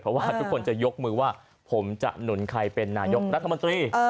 เพราะว่าทุกคนจะยกมือว่าผมจะหนุนใครเป็นนายกรัฐมนตรี